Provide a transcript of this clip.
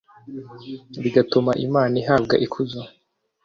bigatuma imana ihabwa ikuzo